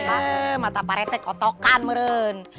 eh mata pak rete kotokan meren